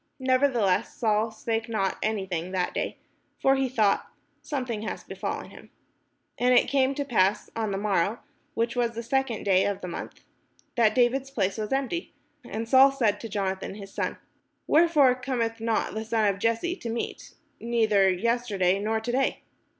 Nevertheless Saul spake not any thing that day: for he thought, Something hath befallen him. And it came to pass on the morrow, which was the second day of the month, that David's place was empty: and Saul said unto Jonathan his son: "Wherefore cometh not the son of Jesse to meat, neither yesterday, nor to day?"